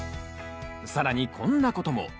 更にこんなことも。